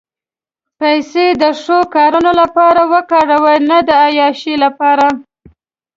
پېسې د ښو کارونو لپاره وکاروه، نه د عیاشۍ لپاره.